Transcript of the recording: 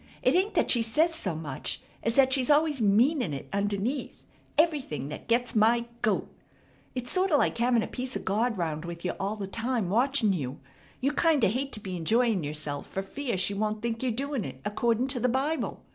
It ain't that she says so much as that she's always meanin' it underneath, everything, that gets my goat! It's sorta like having a piece of God round with you all the time watching you. You kinda hate to be enjoyin' yerself fer fear she won't think yer doin' it accordin' to the Bible."